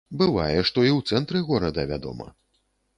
Бывае, што і ў цэнтры горада, вядома.